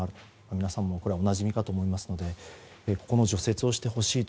皆さんもこれはおなじみかと思いますのでこの除雪をしてほしいと。